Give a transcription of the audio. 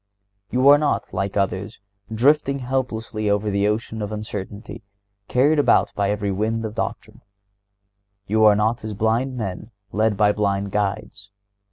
(130) You are not, like others, drifting helplessly over the ocean of uncertainty and "carried about by every wind of doctrine." You are not as "blind men led by blind guides."